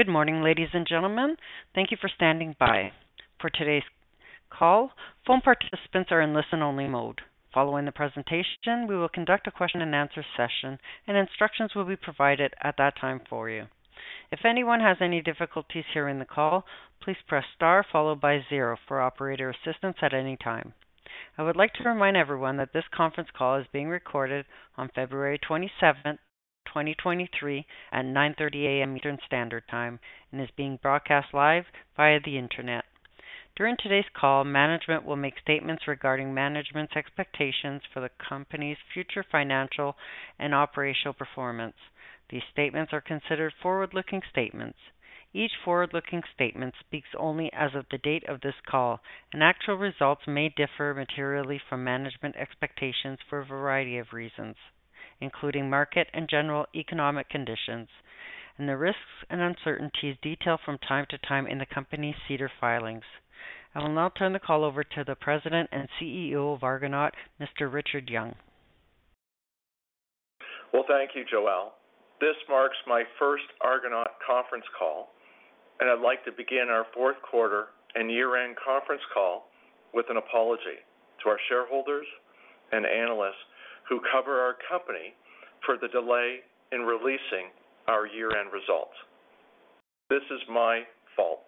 Good morning, ladies and gentlemen. Thank you for standing by. For today's call, phone participants are in listen-only mode. Following the presentation, we will conduct a question and answer session and instructions will be provided at that time for you. If anyone has any difficulties hearing the call, please press star zero for operator assistance at any time. I would like to remind everyone that this conference call is being recorded on February 27th, 2023 at 9:30 A.M. Eastern Standard Time and is being broadcast live via the Internet. During today's call, management will make statements regarding management's expectations for the company's future financial and operational performance. These statements are considered forward-looking statements. Each forward-looking statement speaks only as of the date of this call, and actual results may differ materially from management expectations for a variety of reasons, including market and general economic conditions, and the risks and uncertainties detailed from time to time in the company's SEDAR filings. I will now turn the call over to the President and CEO of Argonaut, Mr. Richard Young. Well, thank you, Joelle. This marks my first Argonaut conference call. I'd like to begin our fourth quarter and year-end conference call with an apology to our shareholders and analysts who cover our company for the delay in releasing our year-end results. This is my fault.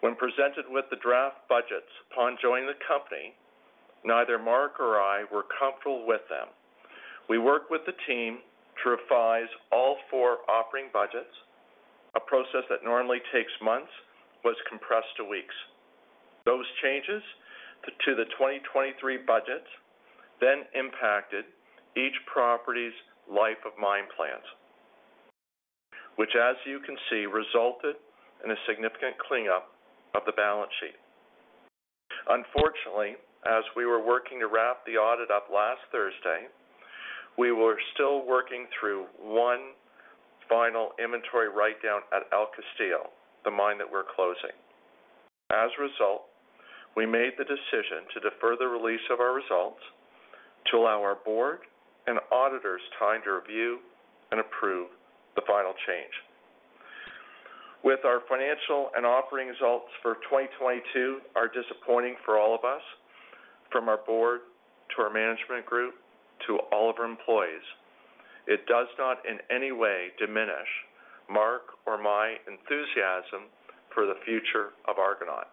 When presented with the draft budgets upon joining the company, neither Marc or I were comfortable with them. We worked with the team to revise all four operating budgets. A process that normally takes months was compressed to weeks. Those changes to the 2023 budgets impacted each property's life of mine plans, which as you can see, resulted in a significant cleanup of the balance sheet. Unfortunately, as we were working to wrap the audit up last Thursday, we were still working through one final inventory writedown at El Castillo, the mine that we're closing. We made the decision to defer the release of our results to allow our Board and auditors time to review and approve the final change. While our financial and operating results for 2022 are disappointing for all of us, from our Board to our management group to all of our employees, it does not in any way diminish Marc or my enthusiasm for the future of Argonaut.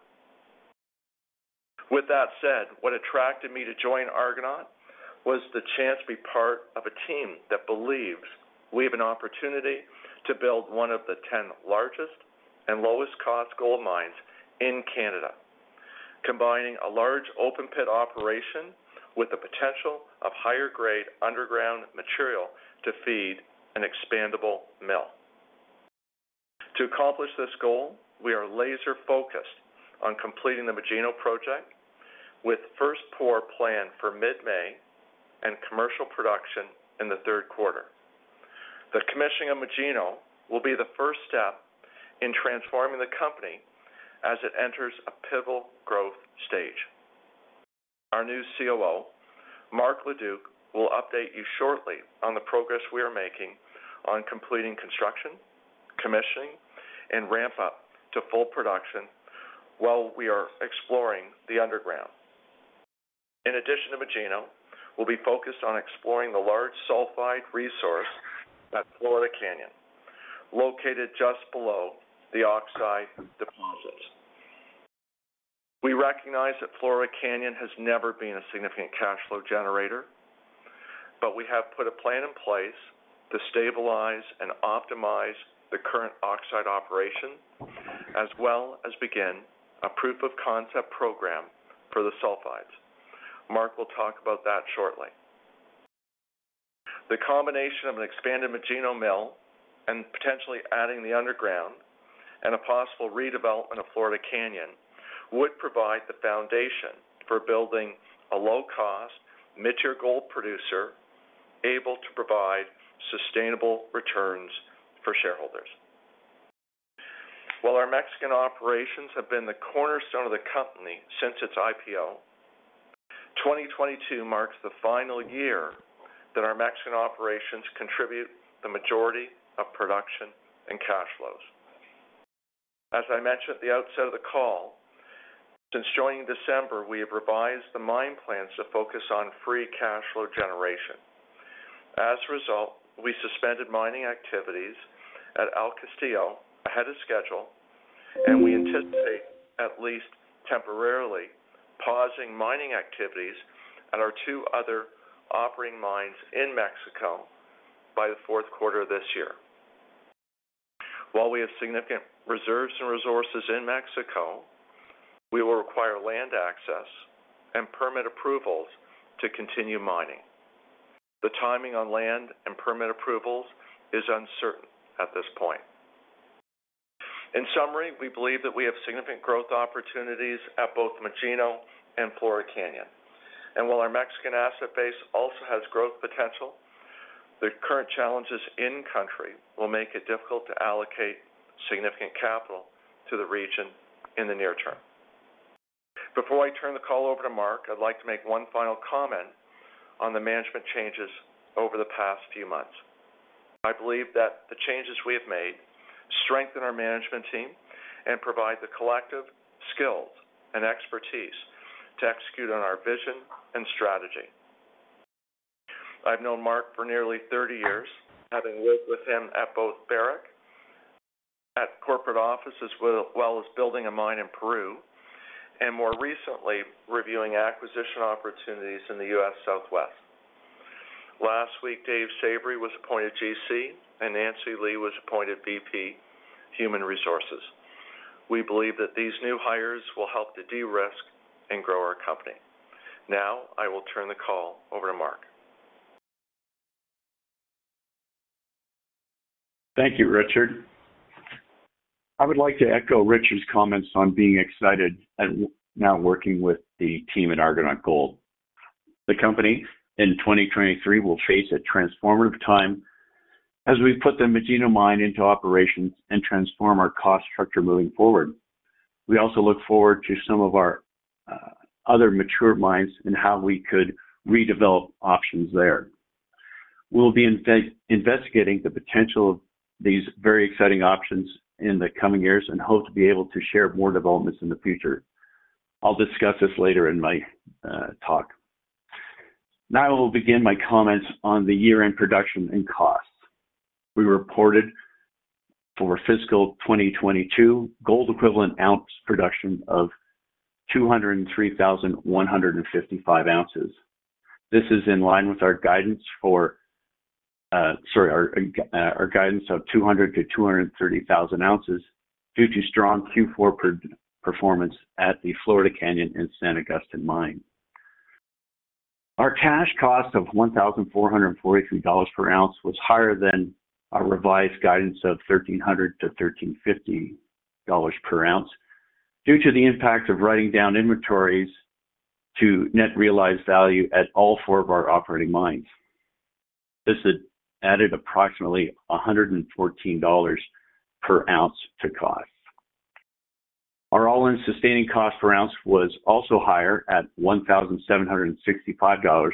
What attracted me to join Argonaut was the chance to be part of a team that believes we have an opportunity to build one of the 10 largest and lowest-cost gold mines in Canada, combining a large open pit operation with the potential of higher-grade underground material to feed an expandable mill. To accomplish this goal, we are laser-focused on completing the Magino project with first pour planned for mid-May and commercial production in the third quarter. The commissioning of Magino will be the first step in transforming the company as it enters a pivotal growth stage. Our new COO, Marc Leduc, will update you shortly on the progress we are making on completing construction, commissioning, and ramp up to full production while we are exploring the underground. In addition to Magino, we'll be focused on exploring the large sulfide resource at Florida Canyon, located just below the oxide deposit. We recognize that Florida Canyon has never been a significant cash flow generator, but we have put a plan in place to stabilize and optimize the current oxide operation, as well as begin a proof of concept program for the sulfides. Marc will talk about that shortly. The combination of an expanded Magino mill and potentially adding the underground and a possible redevelopment of Florida Canyon would provide the foundation for building a low-cost mid-tier gold producer able to provide sustainable returns for shareholders. While our Mexican operations have been the cornerstone of the company since its IPO, 2022 marks the final year that our Mexican operations contribute the majority of production and cash flows. As I mentioned at the outset of the call, since joining in December, we have revised the mine plans to focus on free cash flow generation. As a result, we suspended mining activities at El Castillo ahead of schedule, and we anticipate at least temporarily pausing mining activities at our two other operating mines in Mexico by the fourth quarter of this year. While we have significant reserves and resources in Mexico, we will require land access and permit approvals to continue mining. The timing on land and permit approvals is uncertain at this point. In summary, we believe that we have significant growth opportunities at both Magino and Florida Canyon. While our Mexican asset base also has growth potential, the current challenges in country will make it difficult to allocate significant capital to the region in the near term. Before I turn the call over to Marc, I'd like to make one final comment on the management changes over the past few months. I believe that the changes we have made strengthen our management team and provide the collective skills and expertise to execute on our vision and strategy. I've known Marc for nearly 30 years, having worked with him at both Barrick, at corporate offices, well as building a mine in Peru, and more recently, reviewing acquisition opportunities in the U.S. Southwest. Last week, Dave Savarie was appointed GC, and Nancy Lee was appointed VP, Human Resources. We believe that these new hires will help to de-risk and grow our company. I will turn the call over to Marc. Thank you, Richard. I would like to echo Richard's comments on being excited at now working with the team at Argonaut Gold. The company in 2023 will face a transformative time as we put the Magino mine into operations and transform our cost structure moving forward. We also look forward to some of our other mature mines and how we could redevelop options there. We'll be investigating the potential of these very exciting options in the coming years, and hope to be able to share more developments in the future. I'll discuss this later in my talk. I will begin my comments on the year-end production and costs. We reported for fiscal 2022 gold equivalent ounce production of 203,155 ounces. This is in line with our guidance for, sorry, our guidance of 200,000 ounces-230,000 ounces due to strong Q4 performance at the Florida Canyon and San Agustin mine. Our cash cost of $1,443 per ounce was higher than our revised guidance of $1,300-$1,350 per ounce due to the impact of writing down inventories to net realizable value at all four of our operating mines. This had added approximately $114 per ounce to cost. Our all-in sustaining cost per ounce was also higher at $1,765,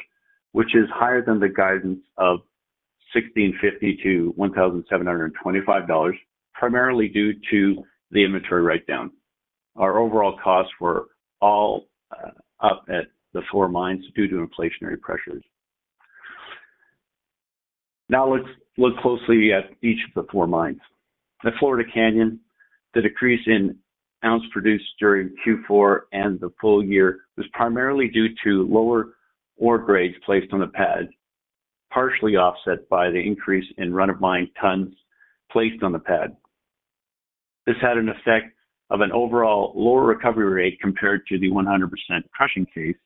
which is higher than the guidance of $1,650-$1,725, primarily due to the inventory write-down. Our overall costs were all up at the four mines due to inflationary pressures. Let's look closely at each of the four mines. At Florida Canyon, the decrease in ounce produced during Q4 and the full year was primarily due to lower ore grades placed on the pad, partially offset by the increase in run of mine tons placed on the pad. This had an effect of an overall lower recovery rate compared to the 100% crushing case,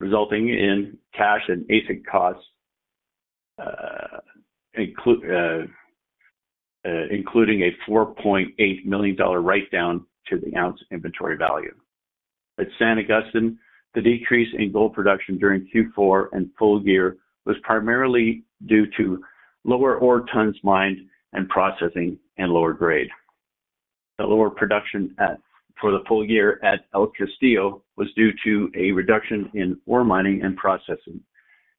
resulting in cash and basic costs, including a $4.8 million write-down to the ounce inventory value. At San Agustin, the decrease in gold production during Q4 and full year was primarily due to lower ore tons mined and processing and lower grade. The lower production for the full year at El Castillo was due to a reduction in ore mining and processing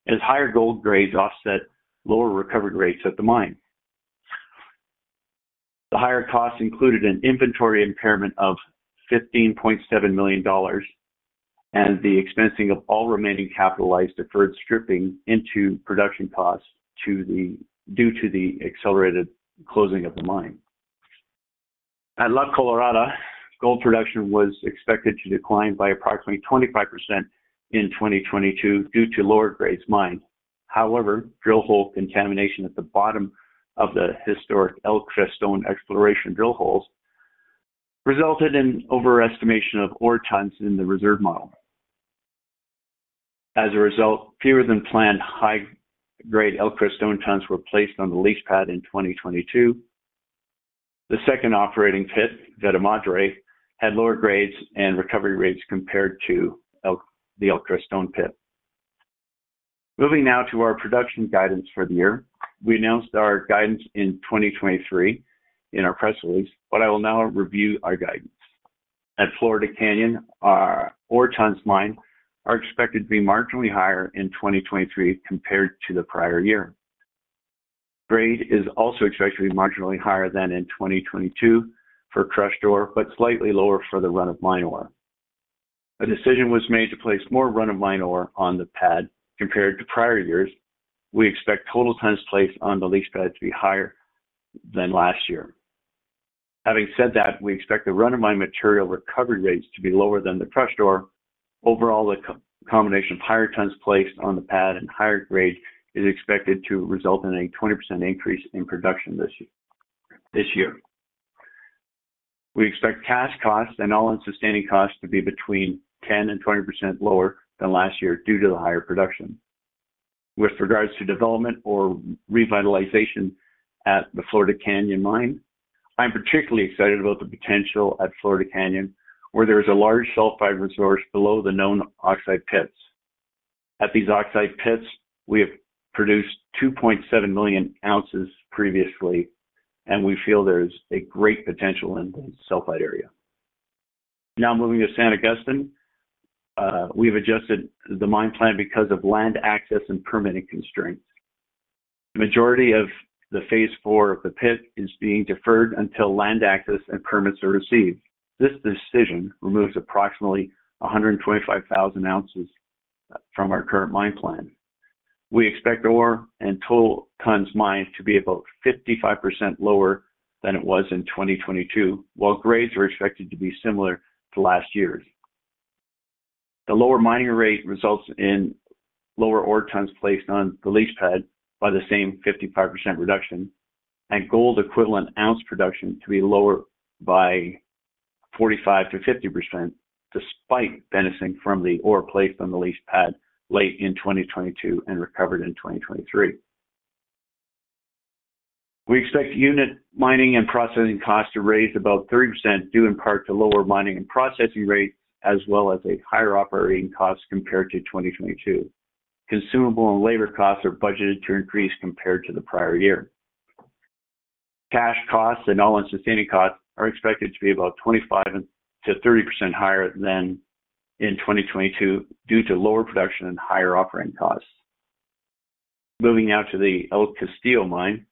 as higher gold grades offset lower recovery rates at the mine. The higher costs included an inventory impairment of $15.7 million and the expensing of all remaining capitalized deferred stripping into production costs due to the accelerated closing of the mine. At La Colorada, gold production was expected to decline by approximately 25% in 2022 due to lower grades mined. However, drill hole contamination at the bottom of the historic El Crestón exploration drill holes resulted in overestimation of ore tons in the reserve model. As a result, fewer than planned high grade El Crestón tons were placed on the leach pad in 2022. The second operating pit, Veta Madre, had lower grades and recovery rates compared to the El Crestón pit. Moving now to our production guidance for the year. We announced our guidance in 2023 in our press release, I will now review our guidance. At Florida Canyon, our ore tons mined are expected to be marginally higher in 2023 compared to the prior year. Grade is also expected to be marginally higher than in 2022 for crushed ore, but slightly lower for the run of mine ore. A decision was made to place more run of mine ore on the pad compared to prior years. We expect total tons placed on the leach pad to be higher than last year. Having said that, we expect the run of mine material recovery rates to be lower than the crushed ore. Overall, the co-combination of higher tons placed on the pad and higher grade is expected to result in a 20% increase in production this year. We expect cash costs and all-in sustaining costs to be between 10%-20% lower than last year due to the higher production. With regards to development or revitalization at the Florida Canyon mine, I'm particularly excited about the potential at Florida Canyon, where there is a large sulfide resource below the known oxide pits. At these oxide pits, we have produced 2.7 million ounces previously, and we feel there's a great potential in the sulfide area. Now moving to San Agustin. We've adjusted the mine plan because of land access and permitting constraints. Majority of the Phase 4 of the pit is being deferred until land access and permits are received. This decision removes approximately 125,000 ounces from our current mine plan. We expect ore and total tonnes mined to be about 55% lower than it was in 2022, while grades are expected to be similar to last year's. The lower mining rate results in lower ore tonnes placed on the leach pad by the same 55% reduction, and gold equivalent ounce production to be lower by 45%-50% despite benefiting from the ore placed on the leach pad late in 2022 and recovered in 2023. We expect unit mining and processing costs to raise about 30%, due in part to lower mining and processing rates as well as a higher operating cost compared to 2022. Consumable and labor costs are budgeted to increase compared to the prior year. Cash costs and all-in sustaining costs are expected to be about 25%-30% higher than in 2022 due to lower production and higher operating costs. Moving now to the El Castillo mine.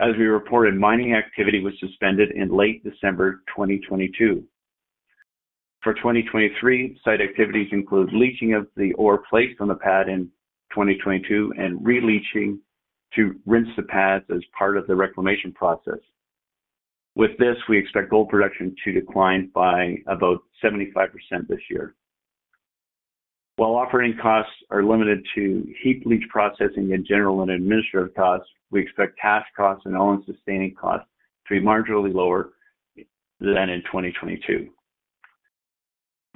As we reported, mining activity was suspended in late December 2022. For 2023, site activities include leaching of the ore placed on the pad in 2022 and re-leaching to rinse the pads as part of the reclamation process. With this, we expect gold production to decline by about 75% this year. While operating costs are limited to heap leach processing and general and administrative costs, we expect cash costs and all-in sustaining costs to be marginally lower than in 2022.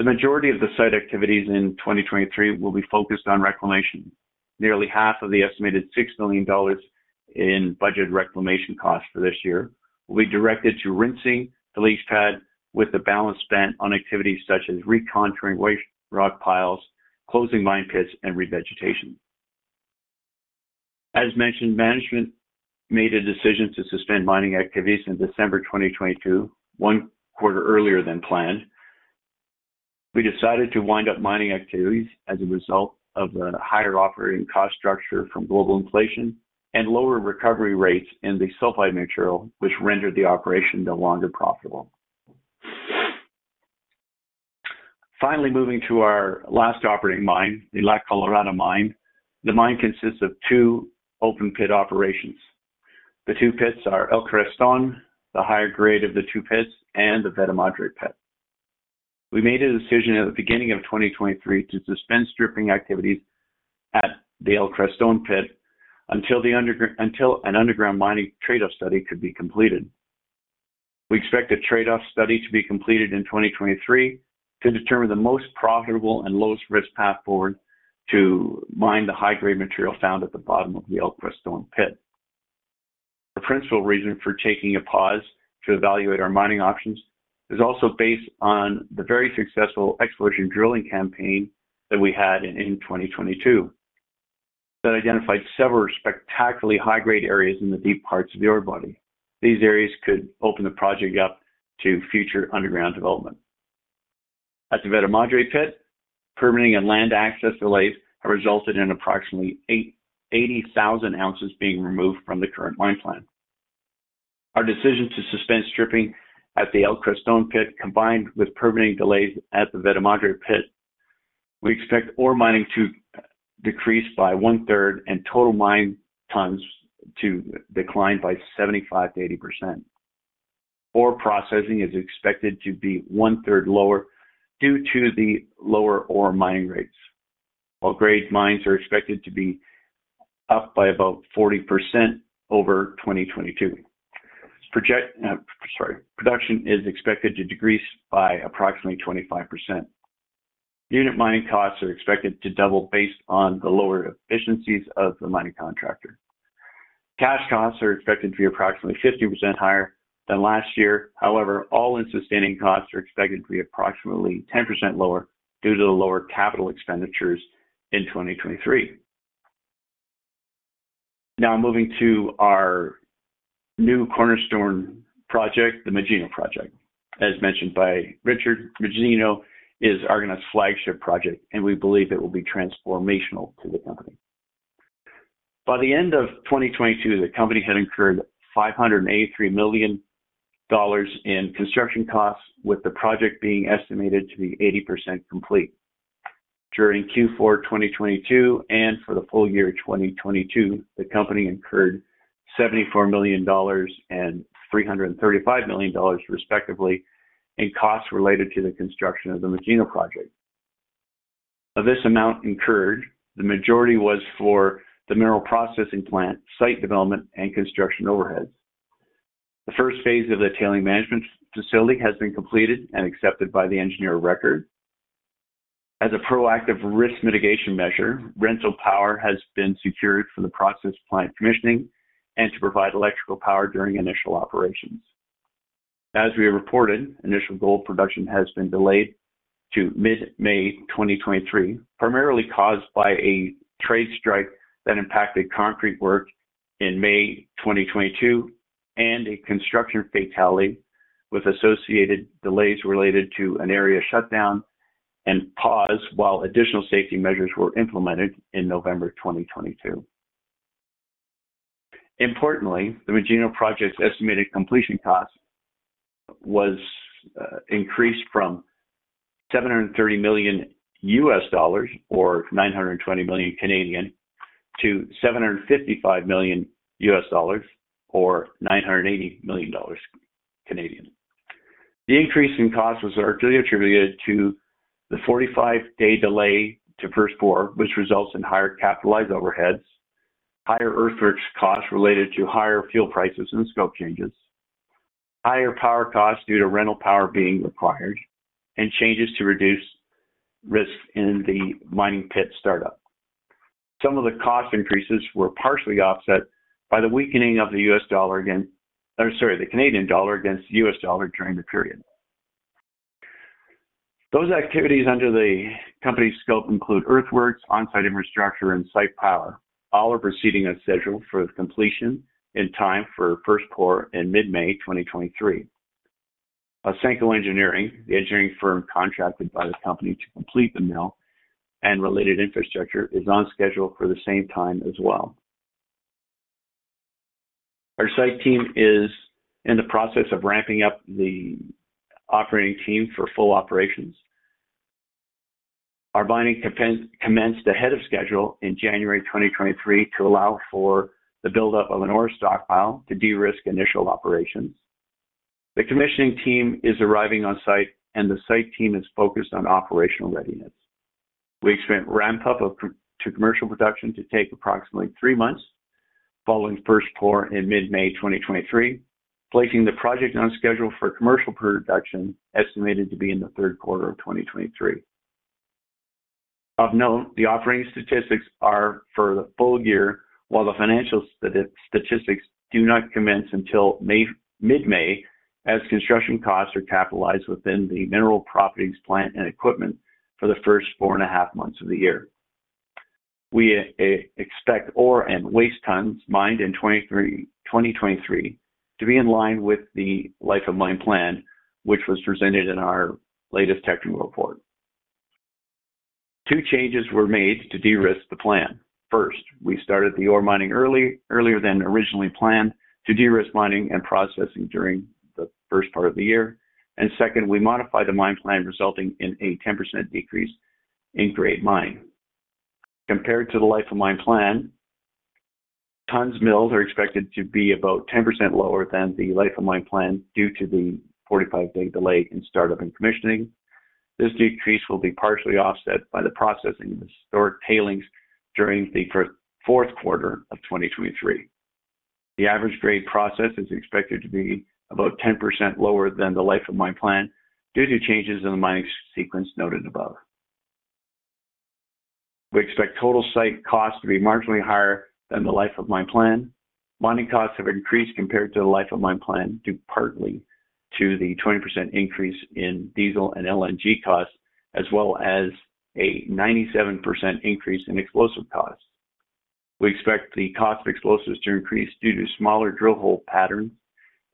The majority of the site activities in 2023 will be focused on reclamation. Nearly half of the estimated $6 million in budget reclamation costs for this year will be directed to rinsing the leach pad, with the balance spent on activities such as recontouring waste rock piles, closing mine pits, and revegetation. As mentioned, management made a decision to suspend mining activities in December 2022, one quarter earlier than planned. We decided to wind up mining activities as a result of the higher operating cost structure from global inflation and lower recovery rates in the sulfide material, which rendered the operation no longer profitable. Finally, moving to our last operating mine, the La Colorada mine. The mine consists of two open pit operations. The two pits are El Crestón, the higher grade of the two pits, and the Veta Madre pit. We made a decision at the beginning of 2023 to suspend stripping activities at the El Crestón pit until an underground mining trade-off study could be completed. We expect a trade-off study to be completed in 2023 to determine the most profitable and lowest risk path forward to mine the high-grade material found at the bottom of the El Crestón pit. The principal reason for taking a pause to evaluate our mining options is also based on the very successful exploration drilling campaign that we had in 2022 that identified several spectacularly high-grade areas in the deep parts of the ore body. These areas could open the project up to future underground development. At the Veta Madre pit, permitting and land access delays have resulted in approximately 80,000 ounces being removed from the current mine plan. Our decision to suspend stripping at the El Crestón pit, combined with permitting delays at the Veta Madre pit, we expect ore mining to decrease by one-third and total mine tonnes to decline by 75%-80%. Ore processing is expected to be one-third lower due to the lower ore mining rates, while grade mines are expected to be up by about 40% over 2022. Production is expected to decrease by approximately 25%. Unit mining costs are expected to double based on the lower efficiencies of the mining contractor. Cash costs are expected to be approximately 50% higher than last year. However, all-in sustaining costs are expected to be approximately 10% lower due to the lower capital expenditures in 2023. Moving to our new cornerstone project, the Magino project. As mentioned by Richard, Magino is Argonaut's flagship project, and we believe it will be transformational to the company. By the end of 2022, the company had incurred $583 million in construction costs, with the project being estimated to be 80% complete. During Q4 2022 and for the full year 2022, the company incurred $74 million and $335 million respectively in costs related to the construction of the Magino project. Of this amount incurred, the majority was for the mineral processing plant, site development, and construction overheads. The first phase of the tailings management facility has been completed and accepted by the Engineer of Record. As a proactive risk mitigation measure, rental power has been secured for the process plant commissioning and to provide electrical power during initial operations. As we have reported, initial gold production has been delayed to mid-May 2023, primarily caused by a trade strike that impacted concrete work in May 2022 and a construction fatality with associated delays related to an area shutdown and pause while additional safety measures were implemented in November 2022. Importantly, the Magino project's estimated completion cost was increased from $730 million or CAD 920 million to $755 million or 980 million dollars. The increase in cost was largely attributed to the 45-day delay to first pour, which results in higher capitalized overheads, higher earthworks costs related to higher fuel prices and scope changes, higher power costs due to rental power being required, and changes to reduce risk in the mining pit startup. Some of the cost increases were partially offset by the weakening of the Canadian dollar against the U.S. dollar during the period. Those activities under the company's scope include earthworks, on-site infrastructure, and site power. All are proceeding as scheduled for completion in time for first pour in mid-May 2023. Ausenco Engineering, the engineering firm contracted by the company to complete the mill and related infrastructure, is on schedule for the same time as well. Our site team is in the process of ramping up the operating team for full operations. Our mining commenced ahead of schedule in January 2023 to allow for the buildup of an ore stockpile to de-risk initial operations. The commissioning team is arriving on site, and the site team is focused on operational readiness. We expect ramp up to commercial production to take approximately three months following first pour in mid-May 2023, placing the project on schedule for commercial production estimated to be in the third quarter of 2023. Of note, the operating statistics are for the full year, while the financial statistics do not commence until May, mid-May, as construction costs are capitalized within the mineral properties, plant, and equipment for the first four and a half months of the year. We expect ore and waste tons mined in 2023 to be in line with the life of mine plan, which was presented in our latest technical report. Two changes were made to de-risk the plan. First, we started the ore mining early, earlier than originally planned to de-risk mining and processing during the first part of the year. Second, we modified the mine plan, resulting in a 10% decrease in grade mined. Compared to the life of mine plan, tons milled are expected to be about 10% lower than the life of mine plan due to the 45-day delay in startup and commissioning. This decrease will be partially offset by the processing of the stored tailings during the fourth quarter of 2023. The average grade processed is expected to be about 10% lower than the life of mine plan due to changes in the mining sequence noted above. We expect total site costs to be marginally higher than the life of mine plan. Mining costs have increased compared to the life of mine plan, due partly to the 20% increase in diesel and LNG costs as well as a 97% increase in explosive costs. We expect the cost of explosives to increase due to smaller drill hole pattern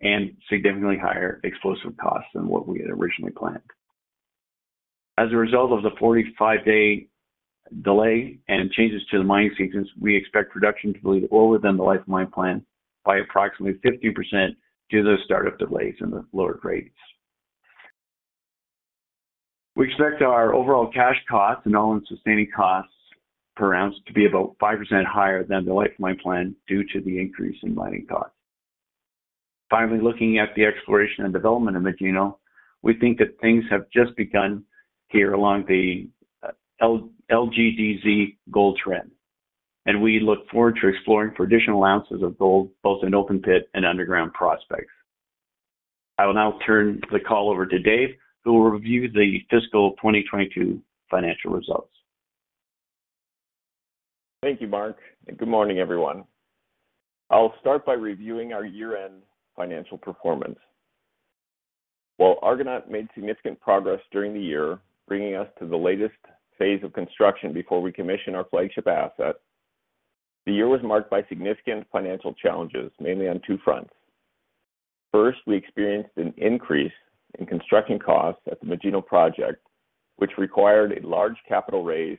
and significantly higher explosive costs than what we had originally planned. As a result of the 45-day delay and changes to the mining sequence, we expect production to be lower than the life of mine plan by approximately 15% due to start-up delays and the lower grades. We expect our overall cash costs and all-in-sustaining costs per ounce to be about 5% higher than the life of mine plan due to the increase in mining costs. Finally, looking at the exploration and development of Magino, we think that things have just begun here along the GLDZ gold trend, and we look forward to exploring for additional ounces of gold, both in open pit and underground prospects. I will now turn the call over to Dave, who review the fiscal 2022 financial results. Thank you, Marc, and good morning, everyone. I'll start by reviewing our year-end financial performance. While Argonaut made significant progress during the year, bringing us to the latest phase of construction before we commission our flagship asset, the year was marked by significant financial challenges, mainly on two fronts. First, we experienced an increase in construction costs at the Magino project, which required a large capital raise,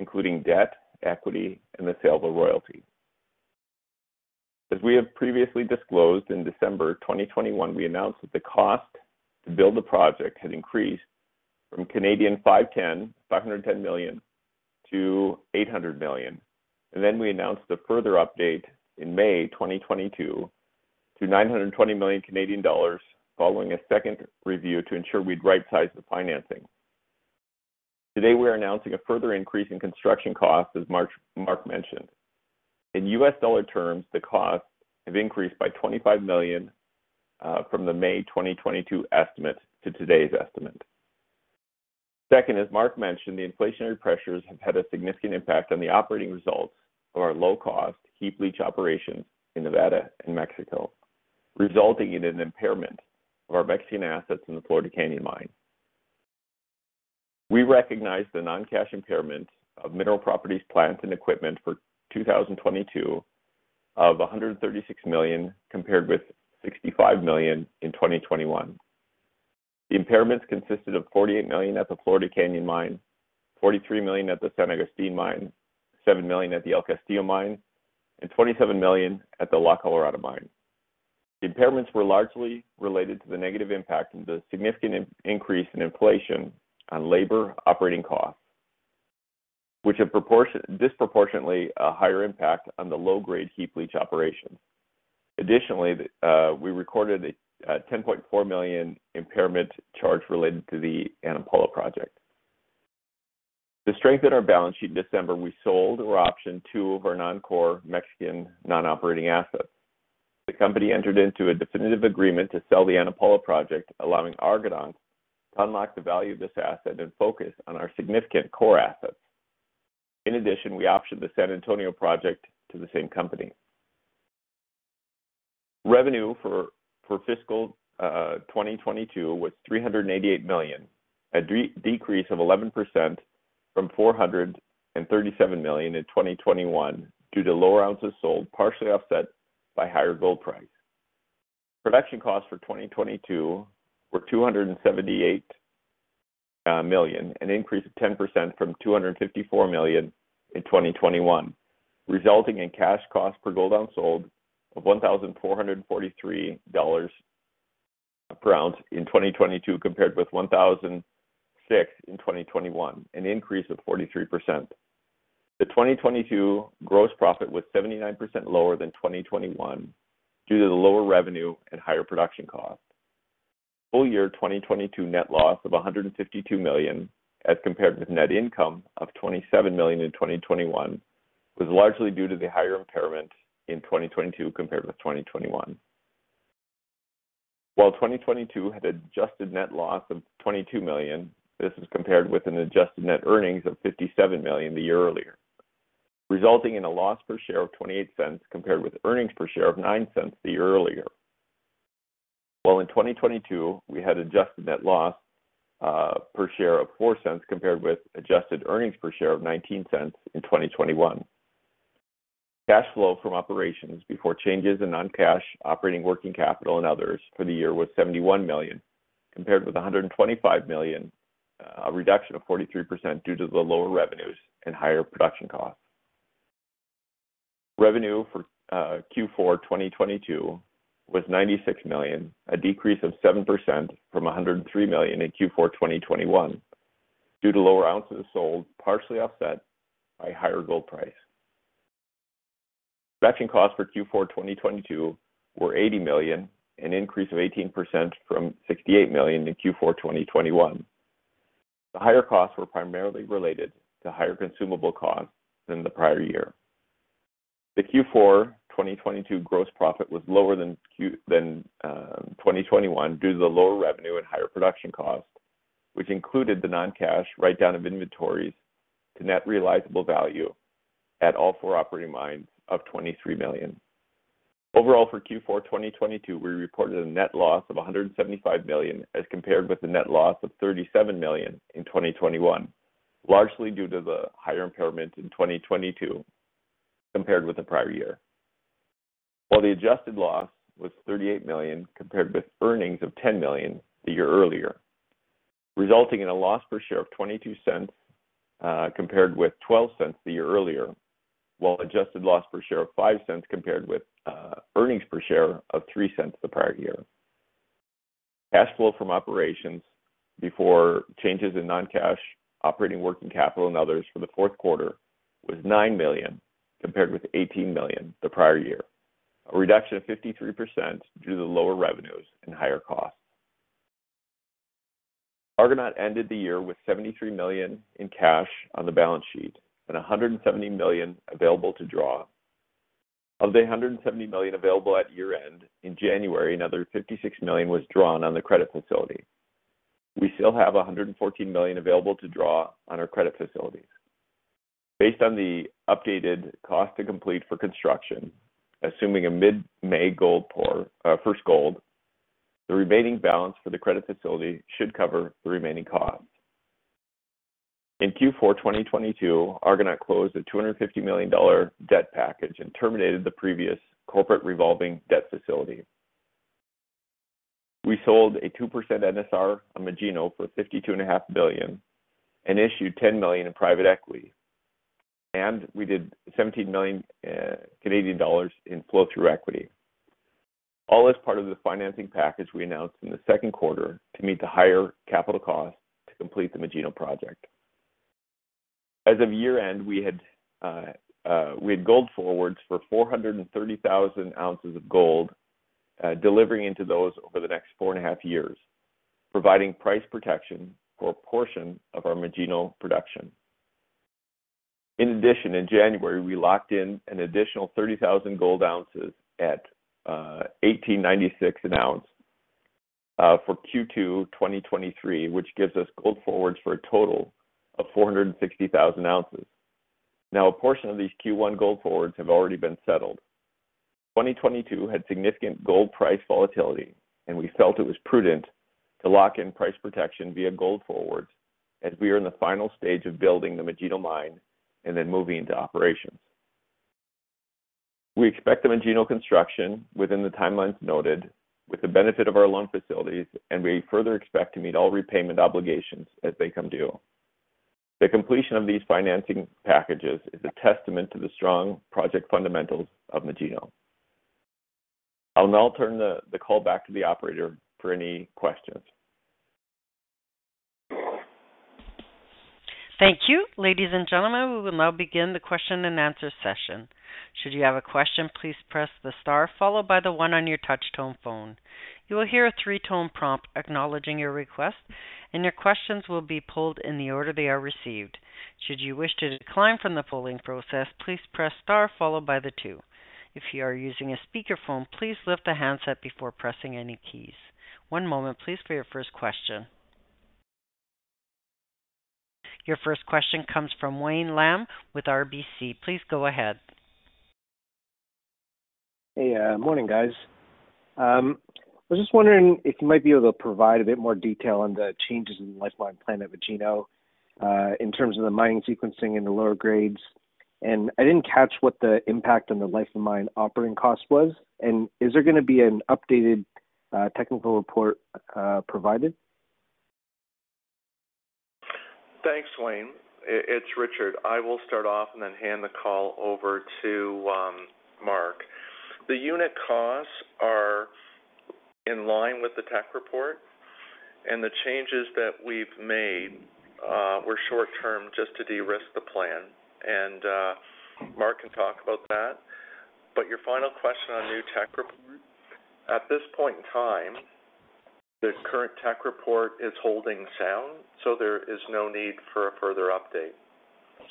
including debt, equity, and the sale of a royalty. As we have previously disclosed, in December 2021, we announced that the cost to build the project had increased from 510 million to 800 million. We announced a further update in May 2022 to 920 million Canadian dollars following a second review to ensure we'd right-size the financing. Today, we're announcing a further increase in construction costs, as Marc mentioned. In U.S. dollar terms, the costs have increased by $25 million from the May 2022 estimate to today's estimate. Second, as Marc mentioned, the inflationary pressures have had a significant impact on the operating results of our low cost heap leach operations in Nevada and Mexico, resulting in an impairment of our Mexican assets in the Florida Canyon mine. We recognize the non-cash impairment of mineral properties, plant and equipment for 2022 of $136 million, compared with $65 million in 2021. The impairments consisted of $48 million at the Florida Canyon mine, $43 million at the San Agustin mine, $7 million at the El Castillo mine, and $27 million at the La Colorada mine. The impairments were largely related to the negative impact of the significant increase in inflation on labor operating costs, which have disproportionately a higher impact on the low grade heap leach operation. Additionally, we recorded a $10.4 million impairment charge related to the Ana Paula project. To strengthen our balance sheet in December, we sold or optioned two of our non-core Mexican non-operating assets. The company entered into a definitive agreement to sell the Ana Paula project, allowing Argonaut to unlock the value of this asset and focus on our significant core assets. In addition, we optioned the San Antonio project to the same company. Revenue for fiscal 2022 was $388 million, a decrease of 11% from $437 million in 2021 due to lower ounces sold, partially offset by higher gold price. Production costs for 2022 were $278 million, an increase of 10% from $254 million in 2021, resulting in cash costs per gold ounce sold of $1,443 per ounce in 2022, compared with $1,006 in 2021, an increase of 43%. The 2022 gross profit was 79% lower than 2021 due to the lower revenue and higher production cost. Full year, 2022 net loss of $152 million, as compared with net income of $27 million in 2021, was largely due to the higher impairment in 2022 compared with 2021. While 2022 had adjusted net loss of $22 million, this was compared with an adjusted net earnings of $57 million the year earlier, resulting in a loss per share of $0.28, compared with earnings per share of $0.09 the year earlier. While in 2022, we had adjusted net loss per share of $0.04, compared with adjusted earnings per share of $0.19 in 2021. Cash flow from operations before changes in non-cash operating working capital and others for the year was $71 million, compared with $125 million, a reduction of 43% due to the lower revenues and higher production costs. Revenue for Q4 2022 was $96 million, a decrease of 7% from $103 million in Q4 2021 due to lower ounces sold, partially offset by higher gold price. Production costs for Q4 2022 were $80 million, an increase of 18% from $68 million in Q4 2021. The higher costs were primarily related to higher consumable costs than the prior year. The Q4 2022 gross profit was lower than 2021 due to the lower revenue and higher production cost, which included the non-cash write down of inventories to net realizable value at all four operating mines of $23 million. Overall, for Q4 2022, we reported a net loss of $175 million, as compared with the net loss of $37 million in 2021, largely due to the higher impairment in 2022 compared with the prior year. The adjusted loss was $38 million compared with earnings of $10 million the year earlier, resulting in a loss per share of $0.22, compared with $0.12 the year earlier. Adjusted loss per share of $0.05 compared with earnings per share of $0.03 the prior year. Cash flow from operations before changes in non-cash operating working capital and others for the fourth quarter was $9 million, compared with $18 million the prior year, a reduction of 53% due to the lower revenues and higher costs. Argonaut ended the year with $73 million in cash on the balance sheet and $170 million available to draw. Of the $170 million available at year-end, in January, another $56 million was drawn on the credit facility. We still have $114 million available to draw on our credit facilities. Based on the updated cost to complete for construction, assuming a mid-May gold pour, first gold, the remaining balance for the credit facility should cover the remaining costs. In Q4 2022, Argonaut closed a $250 million debt package and terminated the previous corporate revolving debt facility. We sold a 2% NSR on Magino for $52.5 million and issued $10 million in private equity. We did 17 million Canadian dollars in flow-through equity, all as part of the financing package we announced in the second quarter to meet the higher capital costs to complete the Magino project. As of year-end, we had gold forwards for 430,000 ounces of gold, delivering into those over the next 4.5 years, providing price protection for a portion of our Magino production. In addition, in January, we locked in an additional 30,000 gold ounces at $1,896 an ounce for Q2 2023, which gives us gold forwards for a total of 460,000 ounces. Now, a portion of these Q1 gold forwards have already been settled. 2022 had significant gold price volatility, and we felt it was prudent to lock in price protection via gold forwards as we are in the final stage of building the Magino mine and then moving to operations. We expect the Magino construction within the timelines noted with the benefit of our loan facilities, and we further expect to meet all repayment obligations as they come due. The completion of these financing packages is a testament to the strong project fundamentals of Magino. I'll now turn the call back to the operator for any questions. Thank you. Ladies and gentlemen, we will now begin the question and answer session. Should you have a question, please press the star followed by the one on your touch tone phone. You will hear a three-tone prompt acknowledging your request, and your questions will be pulled in the order they are received. Should you wish to decline from the polling process, please press star followed by the two. If you are using a speakerphone, please lift the handset before pressing any keys. One moment please for your first question. Your first question comes from Wayne Lam with RBC. Please go ahead. Hey. Morning, guys. I was just wondering if you might be able to provide a bit more detail on the changes in the lifeline plan at Magino in terms of the mining sequencing and the lower grades. I didn't catch what the impact on the life of mine operating cost was. Is there gonna be an updated technical report provided? Thanks, Wayne. It's Richard. I will start off and then hand the call over to Marc. The unit costs are in line with the tech report, and the changes that we've made were short term just to de-risk the plan, and Marc can talk about that. Your final question on new tech report. At this point in time, the current tech report is holding sound, so there is no need for a further update.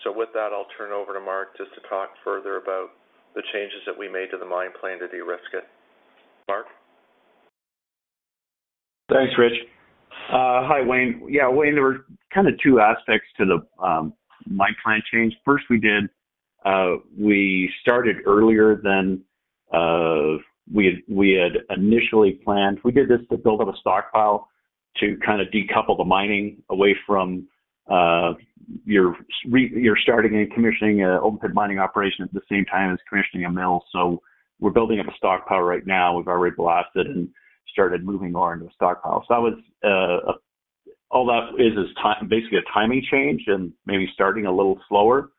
With that, I'll turn over to Marc just to talk further about the changes that we made to the mine plan to de-risk it. Marc? Thanks, Richard. Hi, Wayne. Wayne, there were kinda two aspects to the mine plan change. First, we did, we started earlier than we had initially planned. We did this to build up a stockpile to kinda decouple the mining away from you're starting and commissioning an open pit mining operation at the same time as commissioning a mill. We're building up a stockpile right now. We've already blasted and started moving ore into the stockpile. That was, all that is basically a timing change and maybe starting a little slower.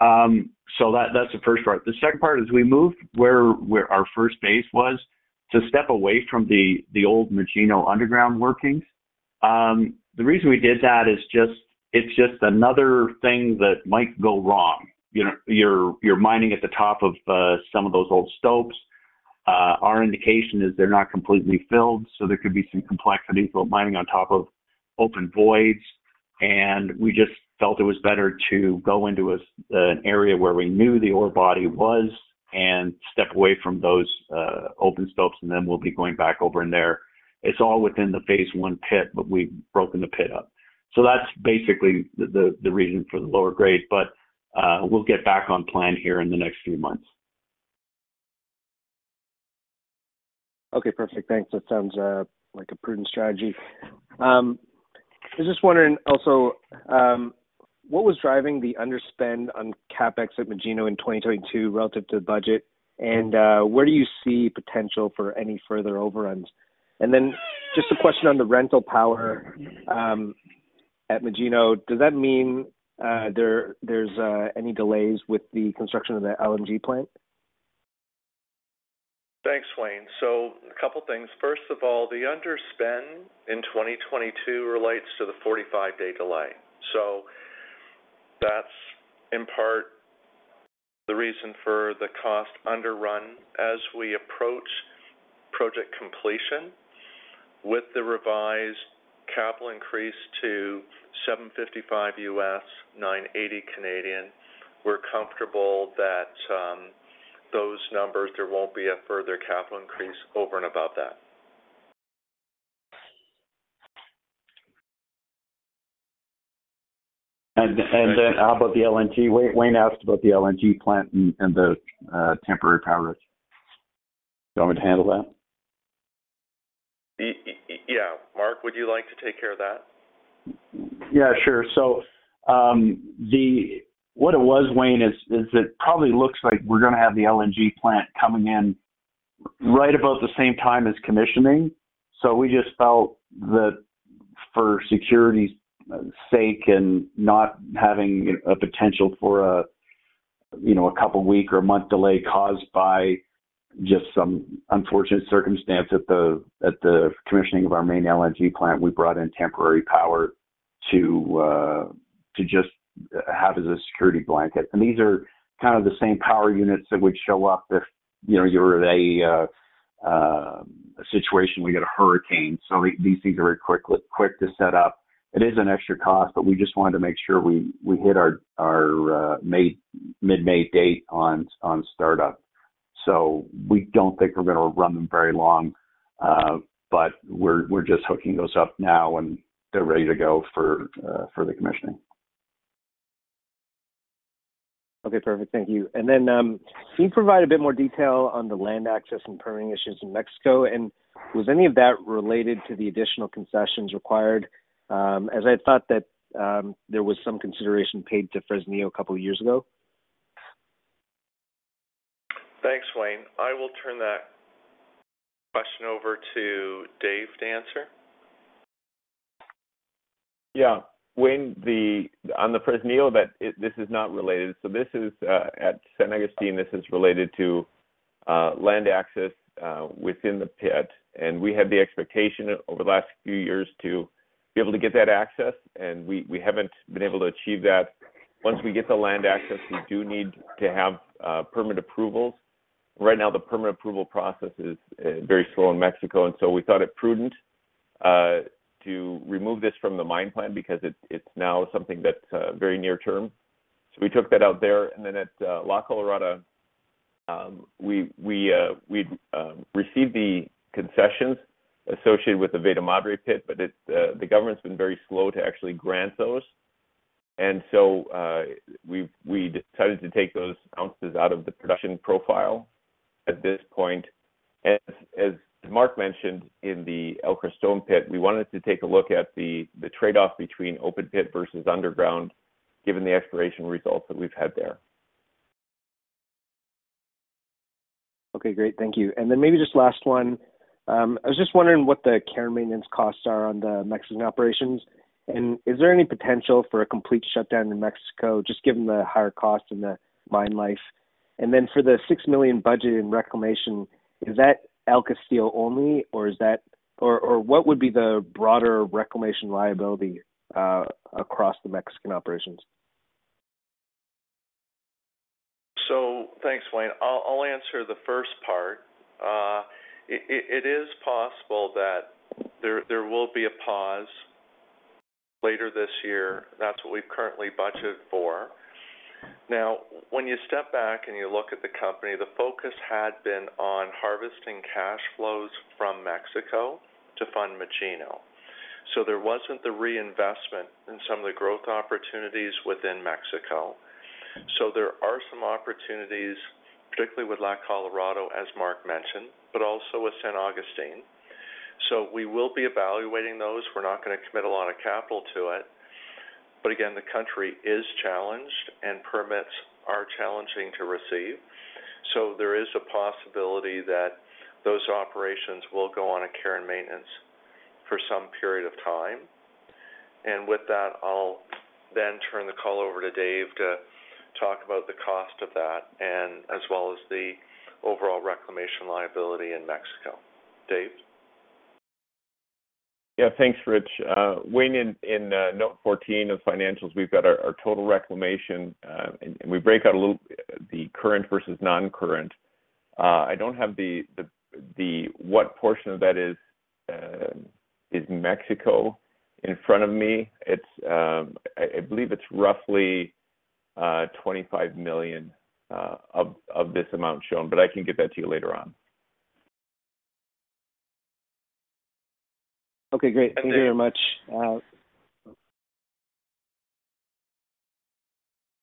That's the first part. The second part is we moved where our first base was to step away from the old Magino underground workings. The reason we did that is it's just another thing that might go wrong. You know, you're mining at the top of some of those old stopes. Our indication is they're not completely filled, so there could be some complexities with mining on top of open voids. We just felt it was better to go into an area where we knew the ore body was and step away from those open stopes, and then we'll be going back over in there. It's all within the Phase 1 pit, but we've broken the pit up. That's basically the reason for the lower grade, but we'll get back on plan here in the next few months. Okay, perfect. Thanks. That sounds like a prudent strategy. I was just wondering also what was driving the underspend on CapEx at Magino in 2022 relative to budget? Where do you see potential for any further overruns? Then just a question on the rental power at Magino. Does that mean there's any delays with the construction of the LNG plant? Thanks, Wayne. A couple things. First of all, the underspend in 2022 relates to the 45-day delay. That's in part the reason for the cost underrun. As we approach project completion with the revised capital increase to $755 million, 980 million, we're comfortable that those numbers, there won't be a further capital increase over and above that. Then how about the LNG? Wayne asked about the LNG plant and the temporary power. Do you want me to handle that? Yeah. Marc, would you like to take care of that? Yeah, sure. What it was, Wayne, it probably looks like we're gonna have the LNG plant coming in right about the same time as commissioning. We just felt that for security's sake and not having a potential for a, you know, a couple week or month delay caused by just some unfortunate circumstance at the, at the commissioning of our main LNG plant, we brought in temporary power to just have as a security blanket. These are kind of the same power units that would show up if, you know, you were at a situation, we get a hurricane. These things are very quick to set up. It is an extra cost, we just wanted to make sure we hit our May, mid-May date on startup. We don't think we're going to run them very long, but we're just hooking those up now, and they're ready to go for the commissioning. Okay, perfect. Thank you. Then, can you provide a bit more detail on the land access and permitting issues in Mexico? Was any of that related to the additional concessions required? As I thought that, there was some consideration paid to Fresnillo a couple of years ago. Thanks, Wayne. I will turn that question over to Dave to answer. Yeah. Wayne, on the Fresnillo, this is not related. This is at San Agustin, this is related to land access within the pit. We had the expectation over the last few years to be able to get that access, and we haven't been able to achieve that. Once we get the land access, we do need to have permit approvals. Right now, the permit approval process is very slow in Mexico, we thought it prudent to remove this from the mine plan because it's now something that's very near term. We took that out there. At La Colorada, we received the concessions associated with the Veta Madre pit, it's the government's been very slow to actually grant those. We decided to take those ounces out of the production profile at this point. As Marc mentioned in the El Crestón pit, we wanted to take a look at the trade-off between open pit versus underground, given the exploration results that we've had there. Okay, great. Thank you. Maybe just last one. I was just wondering what the care and maintenance costs are on the Mexican operations. Is there any potential for a complete shutdown in Mexico, just given the higher cost and the life of mine? For the $6 million budget in reclamation, is that El Castillo only, or what would be the broader reclamation liability across the Mexican operations? Thanks, Wayne. I'll answer the first part. It is possible that there will be a pause later this year. That's what we've currently budgeted for. Now, when you step back and you look at the company, the focus had been on harvesting cash flows from Mexico to fund Magino. There wasn't the reinvestment in some of the growth opportunities within Mexico. There are some opportunities, particularly with La Colorada, as Marc mentioned, but also with San Agustin. We will be evaluating those. We're not going to commit a lot of capital to it. Again, the country is challenged and permits are challenging to receive. There is a possibility that those operations will go on a care and maintenance for some period of time. With that, I'll then turn the call over to Dave to talk about the cost of that and as well as the overall reclamation liability in Mexico. Dave? Thanks, Rich. Wayne, in note 14 of financials, we've got our total reclamation. We break out a little, the current versus non-current. I don't have the what portion of that is Mexico in front of me. It's, I believe it's roughly $25 million of this amount shown, but I can get that to you later on. Okay, great. Okay. Thank you very much.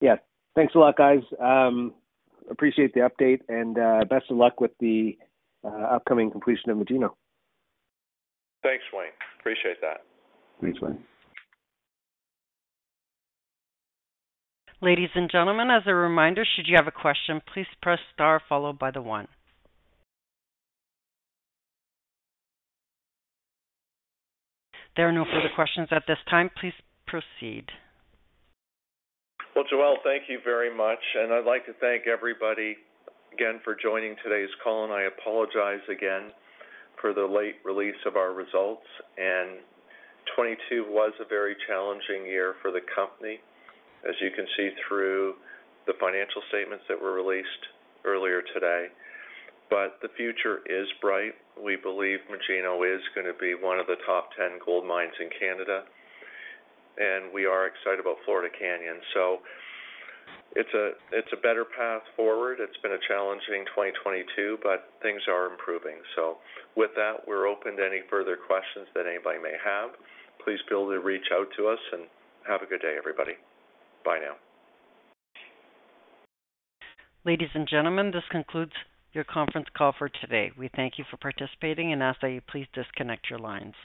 Yeah. Thanks a lot, guys. Appreciate the update and best of luck with the upcoming completion of Magino. Thanks, Wayne. Appreciate that. Thanks, Wayne. Ladies and gentlemen, as a reminder, should you have a question, please press star followed by the one. There are no further questions at this time. Please proceed. Well, Joelle, thank you very much. I'd like to thank everybody again for joining today's call. I apologize again for the late release of our results. 2022 was a very challenging year for the company, as you can see through the financial statements that were released earlier today. The future is bright. We believe Magino is gonna be one of the top 10 gold mines in Canada, and we are excited about Florida Canyon. It's a better path forward. It's been a challenging 2022, but things are improving. With that, we're open to any further questions that anybody may have. Please feel to reach out to us. Have a good day, everybody. Bye now. Ladies and gentlemen, this concludes your conference call for today. We thank you for participating and ask that you please disconnect your lines.